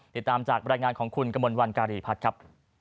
ติดตามจากบรรยายงานของคุณกมลวันการีพัฒน์ครับ